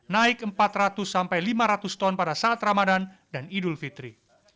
naik empat ratus sampai lima ratus ton pada saat ramadan dan idul fitri